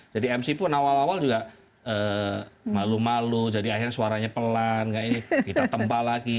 jadi mc pun awal awal juga malu malu jadi akhirnya suaranya pelan kita tempa lagi